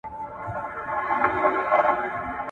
زارۍ